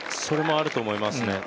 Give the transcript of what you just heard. それもあると思いますね。